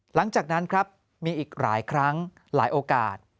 หลังจากนั้นครับมีอีกหลายครั้งหลายโอกาส